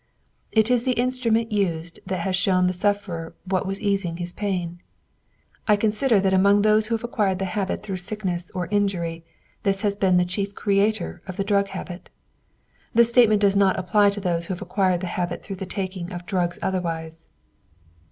It is the instrument used that has shown the sufferer what was easing his pain. I consider that among those who have acquired the habit through sickness or injury this has been the chief creator of the drug habit. This statement does not apply to those who have acquired the habit through the taking of drugs otherwise.